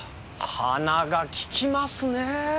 鼻がききますねぇ。